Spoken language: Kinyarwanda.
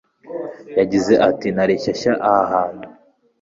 yagize ati Nari shyashya aha hantu